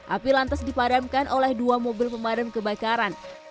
api lantas dipadamkan oleh dua mobil pemadam kebakaran